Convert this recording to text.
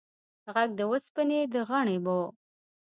غږ د اوسپنې د غنړې و.